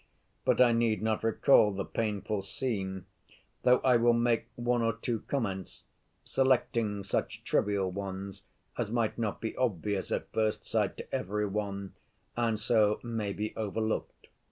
But I need not recall the painful scene, though I will make one or two comments, selecting such trivial ones as might not be obvious at first sight to every one, and so may be overlooked.